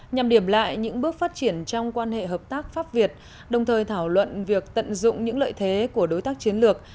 nhằm điểm lại những bước phát triển trong quan hệ hợp tác pháp việt đồng thời thảo luận việc tận dụng những lợi thế của đối tác chiến lược